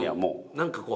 何かこう。